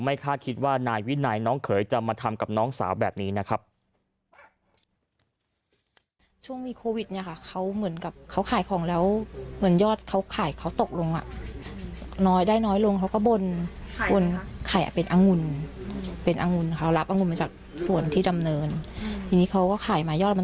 คาดคิดว่านายวินัยน้องเขยจะมาทำกับน้องสาวแบบนี้นะครับ